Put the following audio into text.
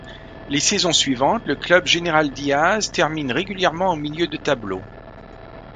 Les saisons suivantes le Club General Díaz termine régulièrement en milieu de tableau.